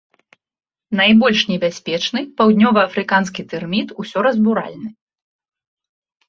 Найбольш небяспечны паўднёваафрыканскі тэрміт усёразбуральны.